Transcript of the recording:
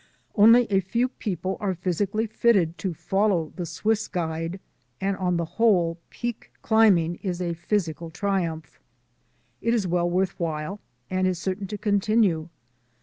Only a few people are physically fitted to follow the Swiss guide, and on the whole, peak climbing is a physical triumph. It is well worth while and is certain to continue.